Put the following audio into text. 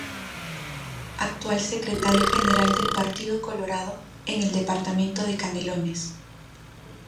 Actual Secretario General del Partido Colorado en el Departamento de Canelones.